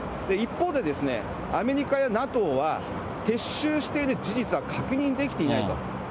一方でですね、アメリカやＮＡＴＯは撤収している事実は確認できていないと。